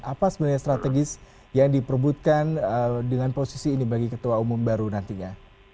apa sebenarnya strategis yang diperbutkan dengan posisi ini bagi ketua umum baru nantinya